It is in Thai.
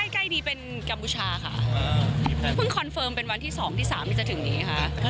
ใกล้ดีเป็นกัมพูชาค่ะเพิ่งคอนเฟิร์มเป็นวันที่๒ที่๓ที่จะถึงนี้ค่ะ